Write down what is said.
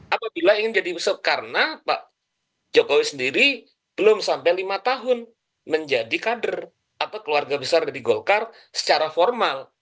apabila ingin jadi karena pak jokowi sendiri belum sampai lima tahun menjadi kader atau keluarga besar dari golkar secara formal